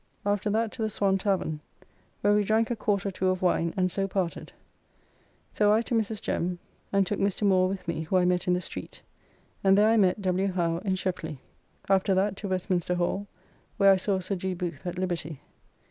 After that to the Swan tavern, where we drank a quart or two of wine, and so parted. So I to Mrs. Jem and took Mr. Moore with me (who I met in the street), and there I met W. Howe and Sheply. After that to Westminster Hall, where I saw Sir G. Booth at liberty.